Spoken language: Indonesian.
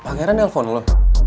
pangeran telepon lu